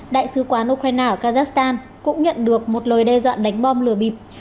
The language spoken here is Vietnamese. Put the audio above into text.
đại sứ quán ukraine ở kazakhstan cũng nhận được một lời đe dọa đánh bom lừa bịp